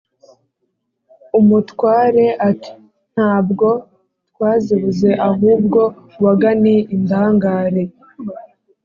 umutware, ati: «nta bwo twazibuze, ahubwo waga ni indangare;